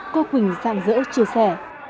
cô quỳnh giảng dỡ chia sẻ